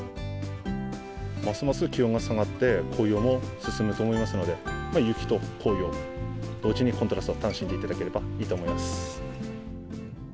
ますます気温が下がって、紅葉も進むと思いますので、雪と紅葉、同時にコントラストを楽しんでいただければと思います。